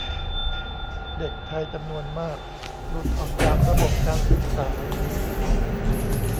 เด็กไทยจำนวนมากหลุดออกจากระบบการศึกษา